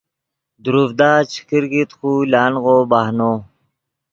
دروڤدا چے کرکیت خو لانغو بہنو